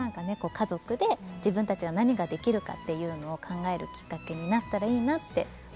家族で自分たちは何ができるかっていうのを考えるきっかけになったらいいなって思いました。